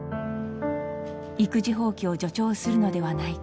育児放棄を助長するのではないか。